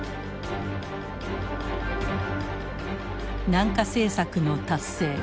南下政策の達成。